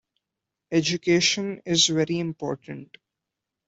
Education is very important.